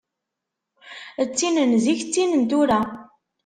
D tin n zik, d tin n tura.